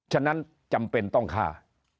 ฉะนั้นจำเป็นต้องฆ่า